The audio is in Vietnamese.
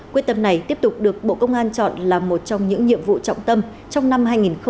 quyết tâm này tiếp tục được bộ công an chọn là một trong những nhiệm vụ trọng tâm trong năm hai nghìn hai mươi ba